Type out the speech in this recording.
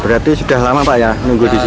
berarti sudah lama pak ya nunggu di sini